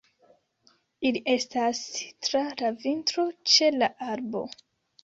Ili estas tra la vintro ĉe la arbo.